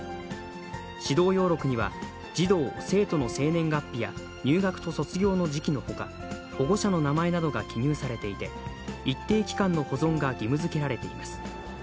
指導要録には、児童・生徒の生年月日や入学と卒業の時期のほか、保護者の名前などが記入されていて、一定期間の保存が義務づけられています。